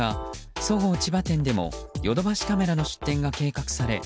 そごう千葉店でもヨドバシカメラの出店が計画され